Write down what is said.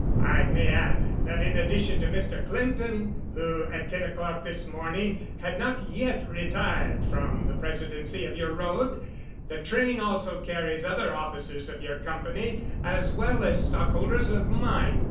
"I may add that in addition to Mr. Clinton (who at ten o'clock this morning had not yet retired from the presidency of your road), the train also carries other officers of your company as well as stockholders of mine.